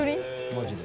マジで。